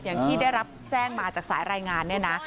อย่างที่ได้รับแจ้งมาจากสายรายงานเนี่ยนะ